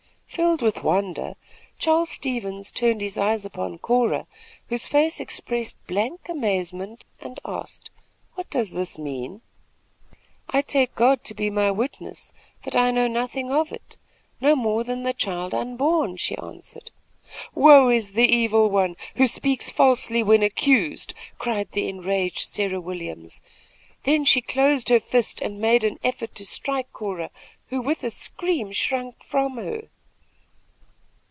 Filled with wonder, Charles Stevens turned his eyes upon Cora, whose face expressed blank amazement, and asked: "What does this mean?" "I take God to be my witness, that I know nothing of it, no more than the child unborn," she answered. "Woe is the evil one, who speaks falsely when accused!" cried the enraged Sarah Williams. Then she closed her fist and made an effort to strike Cora, who, with a scream, shrunk from her.